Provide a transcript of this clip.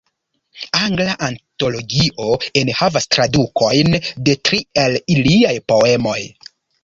Angla Antologio enhavas tradukojn de tri el liaj poemoj.